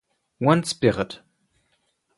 One Spirit.